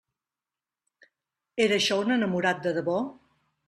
Era això un enamorat de debò?